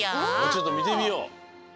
ちょっとみてみよう。